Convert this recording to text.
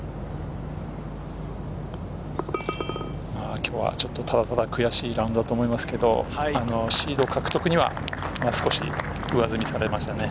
今日はただただ悔しいラウンドだと思いますが、シード獲得には少し上積みされましたね。